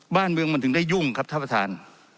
บ้านเมืองมันถึงได้ยุ่งครับท่านประธาน